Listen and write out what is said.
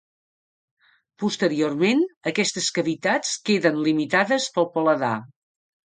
Posteriorment aquestes cavitats queden limitades pel paladar.